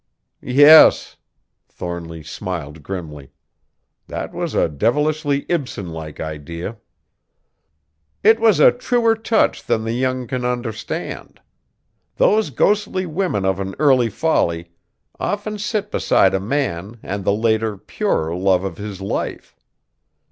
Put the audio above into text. "Yes!" Thornly smiled grimly. "That was a devilishly Ibsen like idea." "It was a truer touch than the young can understand. Those ghostly women of an early folly often sit beside a man and the later, purer love of his life.